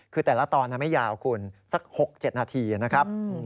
คือแต่ละตอนไม่ยาวคุณสัก๖๗นาทีนะครับ